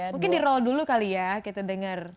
mungkin di roll dulu kali ya kita dengar